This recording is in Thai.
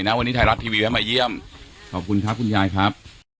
วันนี้ไทยรัฐทีวีแล้วมาเยี่ยมขอบคุณครับคุณยายครับ